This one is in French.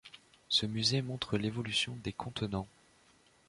Ce musée montre l'évolution des contenants.